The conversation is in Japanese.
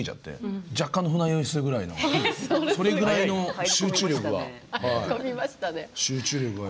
若干の船酔いするぐらいのそれぐらいの集中力ははい。